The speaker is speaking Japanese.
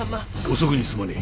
遅くにすまねえ。